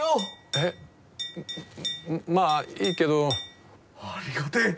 えっまあいいけど。ありがてぇ。